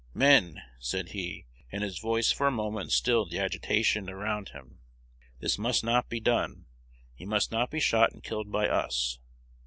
"Men," said he, and his voice for a moment stilled the agitation around him, "_this must not be done: he must not be shot and killed by us.